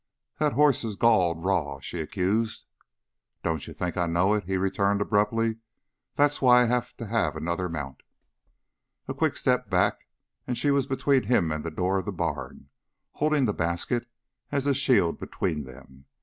"That horse's galled raw!" She accused. "Don't you think I know it?" he returned abruptly. "That's why I have to have another mount." A quick step back and she was between him and the door of the barn, holding the basket as a shield between them.